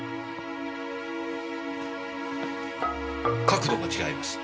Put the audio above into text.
角度が違います。